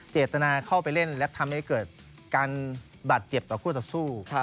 ตนเข้าไปเล่นและทำให้เกิดการบาดเจ็บต่อคู่ต่อสู้